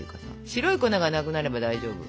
白い粉がなくなれば大丈夫。